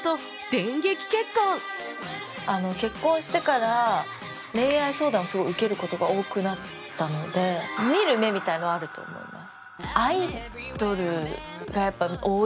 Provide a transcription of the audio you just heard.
結婚してから恋愛相談を受ける事が多くなったので見る目みたいなのはあると思います。